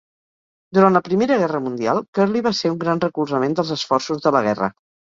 Durant la Primera Guerra Mundial, Curley va ser un gran recolzament dels esforços de la guerra.